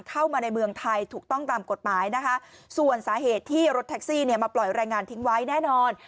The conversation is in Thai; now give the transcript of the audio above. เข้ามาในเมืองไทยถูกต้องตามกฎหมายนะคะส่วนสาเหตุที่รถแท็กซี่เนี่ยมาปล่อยรายงานทิ้งไว้แน่นอน